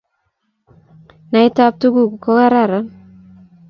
Naetab tukuk ko kararan